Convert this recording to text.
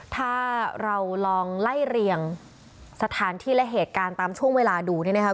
ถ้าเราลองไล่เรียงสถานที่และเหตุการณ์ตามช่วงเวลาดูเนี่ยนะครับ